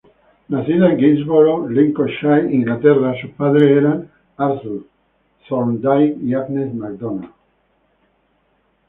Nacida en Gainsborough, Lincolnshire, Inglaterra, sus padres eran Arthur Thorndike y Agnes Macdonald.